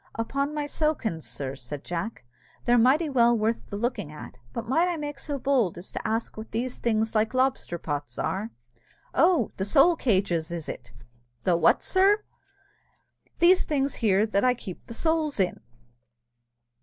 "Upon my sowkins, sir," said Jack, "they're mighty well worth the looking at; but might I make so bold as to ask what these things like lobster pots are?" "Oh! the Soul Cages, is it?" "The what? sir!" "These things here that I keep the souls in."